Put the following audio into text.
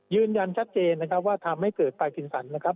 ยืนยันชัดเจนว่าทำให้เกิดพากินสรร